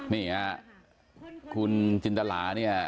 มีคุณจินตะลาเนี่ย